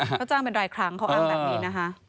เขาจ้างเป็นรายครั้งเขาอ้างแบบนี้นะคะ